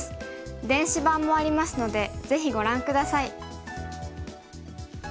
電子版もありますのでぜひご覧下さい。